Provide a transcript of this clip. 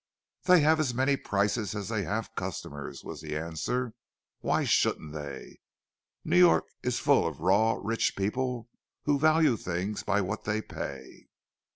"They have as many prices as they have customers," was the answer. "Why shouldn't they? New York is full of raw rich people who value things by what they pay.